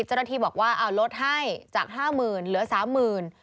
เจ้าหน้าที่บอกว่าเอาลดให้จาก๕๐๐๐เหลือ๓๐๐๐บาท